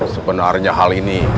sebenarnya hal ini